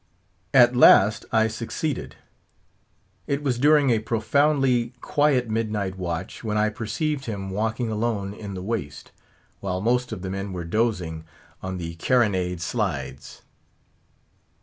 At last I succeeded; it was during a profoundly quiet midnight watch, when I perceived him walking alone in the waist, while most of the men were dozing on the carronade slides.